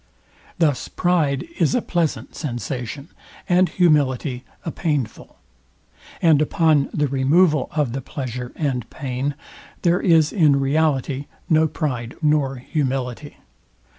Thus pride is a pleasant sensation, and humility a painful; and upon the removal of the pleasure and pain, there is in reality no pride nor humility.